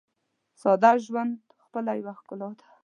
ساده ژوند خپله یوه ښکلا ده.